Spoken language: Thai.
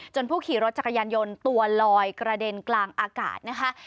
ผู้ขี่รถจักรยานยนต์ตัวลอยกระเด็นกลางอากาศนะคะ